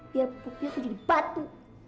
biar pupuknya tuh jadi batu